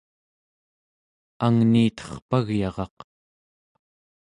angniiterpagyaraq